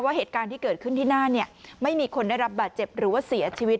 เหตุการณ์ที่เกิดขึ้นที่น่านไม่มีคนได้รับบาดเจ็บหรือว่าเสียชีวิต